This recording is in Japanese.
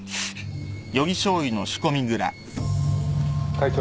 会長。